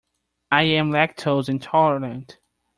I am lactose intolerant.